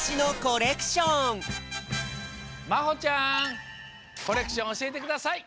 コレクションおしえてください。